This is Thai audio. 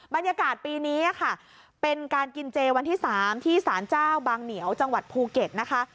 บรรยากาศปีนี้ค่ะเป็นการกินเจวันที่๓ที่สารเจ้าบางเหนียวจังหวัดภูเก็ตนะคะ